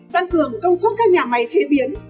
tăng cường công suất các nhà máy chế biến